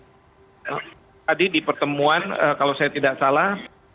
jadi tadi di pertemuan kalau saya tidak salah